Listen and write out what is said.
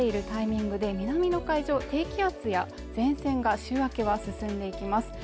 タイミングで南の海上低気圧や前線が週明けは進んでいきます